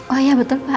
oh iya betul pak